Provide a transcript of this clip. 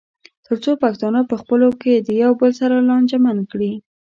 تر څو پښتانه پخپلو کې د یو بل سره لانجمن کړي.